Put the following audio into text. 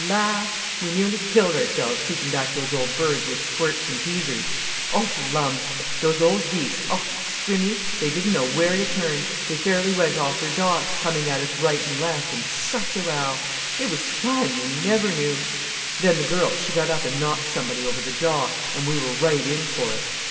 Laugh! We nearly killed ourselves, keeping back those old birds with squirts and teasers. Oh, Lum! Those old geese, oh, scrimmy, they didn't know where to turn, they fairly went off their dots, coming at us right an' left, and such a row—it was fun, you never knew! Then the girl she got up and knocked somebody over the jaw, and we were right in for it.